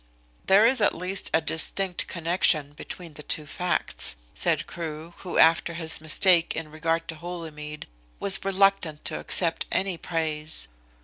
"There is at least a distinct connection between the two facts," said Crewe, who after his mistake in regard to Holymead was reluctant to accept any praise.